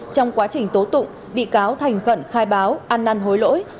trong quá trình tố tụng bị cáo thành khẩn khai báo ăn năn hối lỗi